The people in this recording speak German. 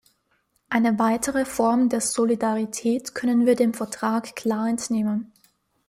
Eine weitere Form der Solidarität können wir dem Vertrag klar entnehmen.